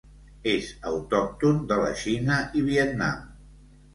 És autòcton de la Xina i Vietnam.